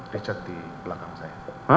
richard di belakang saya